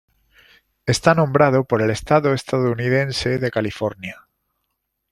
Está nombrado por el estado estadounidense de California.